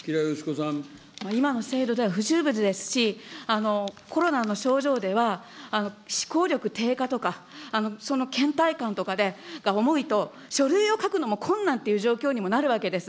今の制度では不十分ですし、コロナの症状では、思考力低下とか、そのけん怠感とかで、重いと、書類を書くのも困難という状況にもなるわけです。